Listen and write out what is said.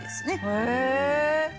へえ！